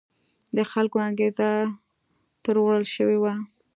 د خلکو انګېزه تروړل شوې وه.